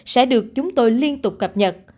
sẽ được chúng tôi liên tục cập nhật